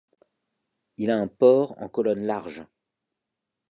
Il a un port en colonne large.